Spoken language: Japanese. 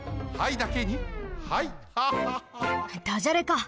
ダジャレか！